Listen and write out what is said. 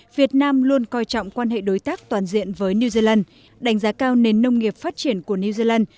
việt nam luôn coi trọng quan hệ đối tác toàn diện với new zealand đánh giá cao nền nông nghiệp phát triển của new zealand